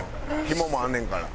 ひももあんねんから。